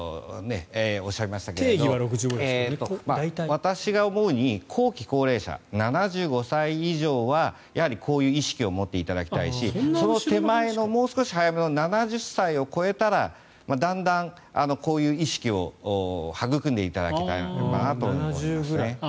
私が思うに後期高齢者７５歳以上はやはりこういう意識を持っていただきたいしその手前の７０歳を超えたらだんだんこういう意識を育んでいただければなと思いますね。